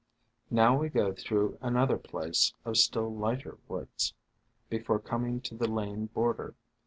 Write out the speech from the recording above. Now we go through an other piece of still lighter woods, before coming to the lane bor der.